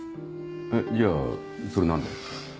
じゃあそれ何で？